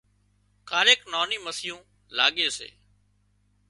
ڪاريڪ ناني مسيون لاڳي سي